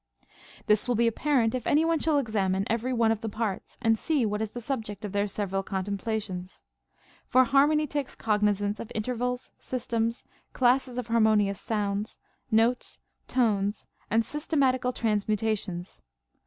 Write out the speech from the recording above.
33. This Λνίΐΐ be apparent, if any one shall examine every one of the parts, and see what is the subject of their several contemplations. For harmony takes cognizance of intervals, systems, classes of harmonious sounds, notes, tones, and systematical transmutations.